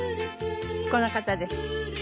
この方です。